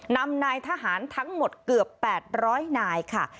นำนายทหารทั้งหมดเกือบ๘๐๐นายค่ะ